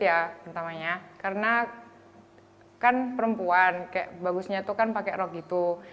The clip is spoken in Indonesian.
ya pertamanya karena kan perempuan kayak bagusnya itu kan pakai rok gitu